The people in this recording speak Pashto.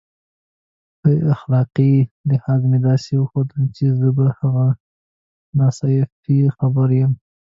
په اخلاقي لحاظ مې داسې وښودل چې زه په هغه ناانصافیو خبر یم.